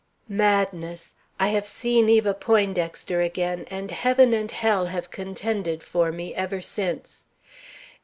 "Madness! "I have seen Eva Poindexter again, and heaven and hell have contended for me ever since.